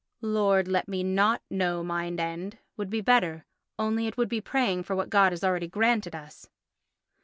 "Lord, let me not know mine end" would be better, only it would be praying for what God has already granted us.